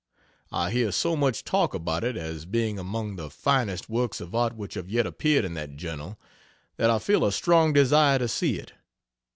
I hear so much talk about it as being among the finest works of art which have yet appeared in that journal, that I feel a strong desire to see it.